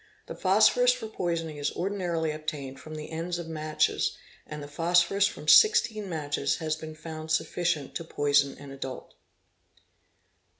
The phosphorus for poisoning is ordinarily obtained from the ends of matches, and the phosphorus from sixteen matches has been found sufficient to poison an adult.